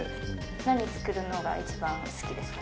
何作るのが一番好きですか？